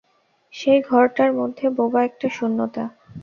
সেই ঘরটার মধ্যে বোবা একটা শূন্যতা।